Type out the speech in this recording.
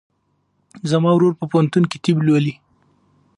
زما ورور په پوهنتون کې طب لولي.